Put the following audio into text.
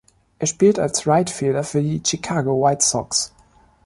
Er spielt als Right Fielder für die Chicago White Sox.